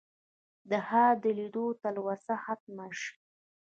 د ښار د لیدو تلوسه ختمه شي.